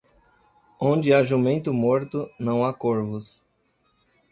Onde há jumento morto, não há corvos.